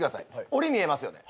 おり見えますよね？